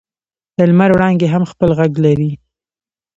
د لمر وړانګې هم خپل ږغ لري.